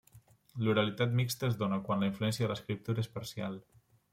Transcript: L'oralitat mixta es dóna quan la influència de l'escriptura és parcial.